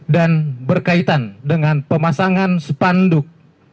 dan berkaitan dengan pemasangan sepanduk